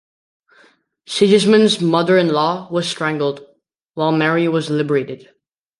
Sigismund's mother-in-law was strangled, while Mary was liberated.